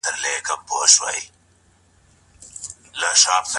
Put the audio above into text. کله چې تدریس فعال وي نو پوهنه ژوندۍ کیږي.